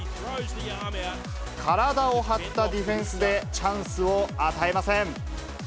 体を張ったディフェンスでチャンスを与えません。